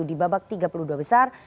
di babak tiga puluh dua besar